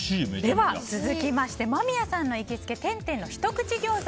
続きまして間宮さんの行きつけ点天のひとくち餃子